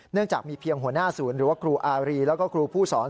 จากมีเพียงหัวหน้าศูนย์หรือว่าครูอารีแล้วก็ครูผู้สอน